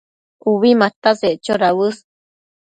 Ubi mataseccho dauës